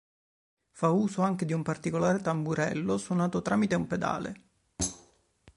Fa uso anche di un particolare "tamburello" suonato tramite un pedale.